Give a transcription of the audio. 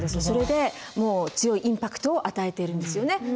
それでもう強いインパクトを与えているんですよね。